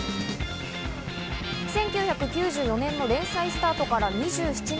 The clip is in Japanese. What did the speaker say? １９９４年の連載スタートから２７年。